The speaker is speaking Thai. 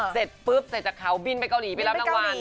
เสร็จปุ๊บเสร็จจากเขาบินไปเกาหลีไปรับรางวัล